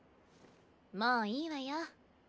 もういいわよ。